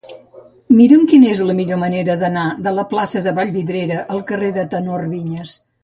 Mira'm quina és la millor manera d'anar de la plaça de Vallvidrera al carrer del Tenor Viñas.